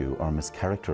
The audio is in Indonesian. atau memisahkan anda